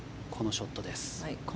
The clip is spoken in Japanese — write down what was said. このショットです。